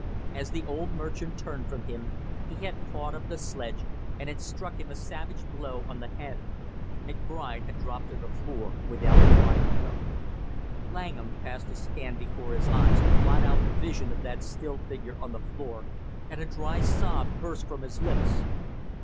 As the old merchant turned from him, he had caught up the sledge and had struck him a savage blow on the head. McBride had dropped to the floor without cry or groan. Langham passed his hand before his eyes to blot out the vision of that still figure on the floor, and a dry sob burst from his lips.